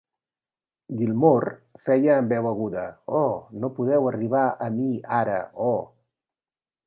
Gilmour feia amb veu aguda "Oh, no podeu arribar a mi ara, oh!".